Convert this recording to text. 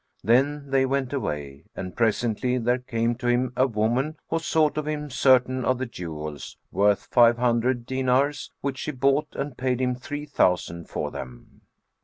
Then they went away; and presently there came to him a woman, who sought of him certain of the jewels, worth five hundred dinars which she bought and paid him three thousand for them.